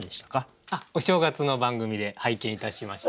お正月の番組で拝見いたしました。